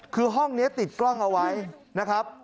คือห้องนี้ติดกล้องเอาไว้นะครับ